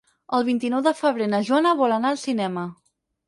El vint-i-nou de febrer na Joana vol anar al cinema.